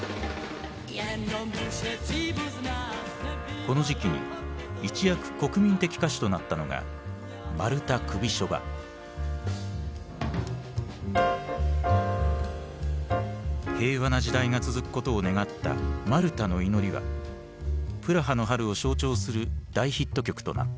この時期に一躍国民的歌手となったのが平和な時代が続くことを願った「マルタの祈り」はプラハの春を象徴する大ヒット曲となった。